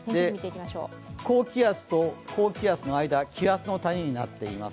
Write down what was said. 高気圧と高気圧の間、気圧の谷になっています。